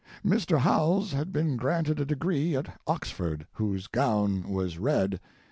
Mr. Howells had been granted a degree at Oxford, whose gown was red.